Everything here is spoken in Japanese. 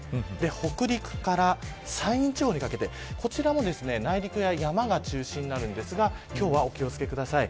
北陸から山陰地方にかけて、こちらも内陸や山が中心になるんですが今日はお気を付けください。